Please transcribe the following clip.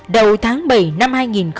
đầu tháng bảy năm hai nghìn một mươi sáu